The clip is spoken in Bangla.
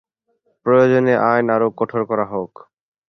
প্রয়োজনে আইন আরও কঠোর করা হোক।